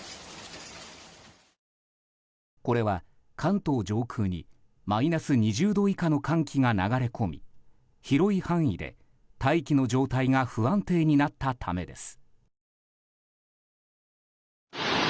これは関東上空にマイナス２０度以下の寒気が流れ込み広い範囲で大気の状態が不安定になったためです。